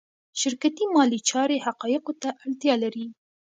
شرکتي مالي چارې حقایقو ته اړتیا لري.